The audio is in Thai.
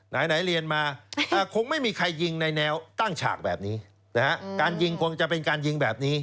ไหนเรียนมาคงไม่มีใครยิงในแนวตั้งฉากแบบนี้นะฮะการยิงคงจะเป็นการยิงแบบนี้